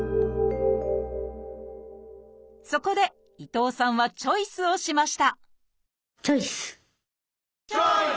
そこで伊藤さんはチョイスをしましたチョイス！